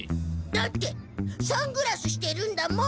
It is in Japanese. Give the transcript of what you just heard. だってサングラスしてるんだもん！